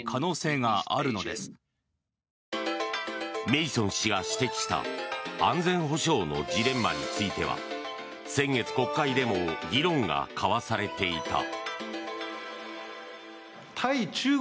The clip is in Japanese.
メイソン氏が指摘した安全保障のジレンマについては先月、国会でも議論が交わされていた。